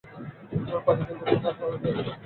পাখিদের বাসায় ডানা ঝাড়িবার শব্দটুকুও নাই।